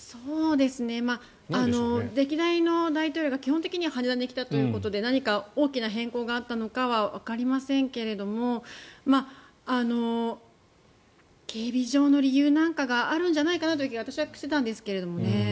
歴代の大統領が基本的には羽田に来たということで何か大きな変更があったのかはわかりませんけれども警備上の理由なんかがあるんじゃないかなという気が私はしてたんですけどね。